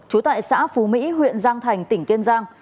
trú tại xã phú mỹ huyện giang thành tỉnh kiên giang